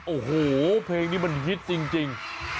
โอ้โหเพลงนี้มันฮิตจริง